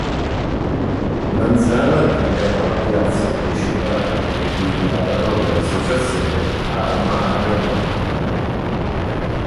Manzano ha dedicato la piazza principale ed il labaro dell'Associazione Arma Aeronautica.